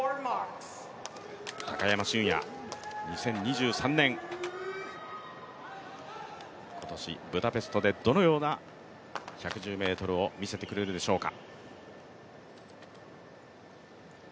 高山峻野、２０２３年、今年、ブダペストでどのような１１０ｍを見せてくれるでしょうか。